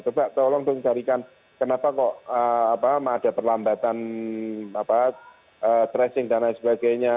coba tolong dong carikan kenapa kok ada perlambatan tracing dan lain sebagainya